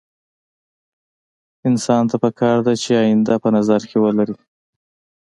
انسان ته پکار ده چې اينده په نظر کې ولري.